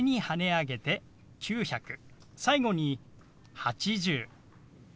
最後に「８０」。